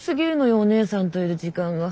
お姉さんといる時間が。